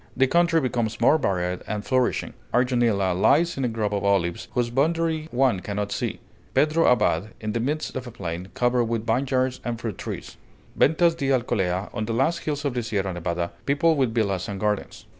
The country becomes more varied and flourishing; Arjonilla lies in a grove of olives, whose boundary one cannot see; Pedro Abad, in the midst of a plain, covered with vineyards and fruit trees; Ventas di Alcolea, on the last hills of the Sierra Nevada, peopled with villas and gardens.